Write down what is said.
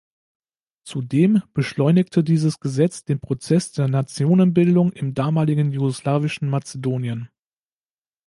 Zudem beschleunigte dieses Gesetz den Prozess der Nationenbildung im damaligen jugoslawischen Mazedonien.